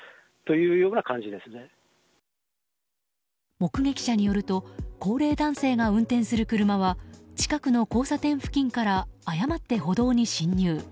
目撃者によると高齢男性が運転する車は近くの交差点付近から誤って歩道に進入。